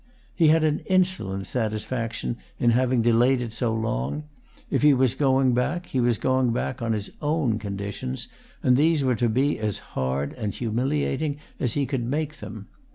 He had an insolent satisfaction in having delayed it so long; if he was going back he was going back on his own conditions, and these were to be as hard and humiliating as he could make them.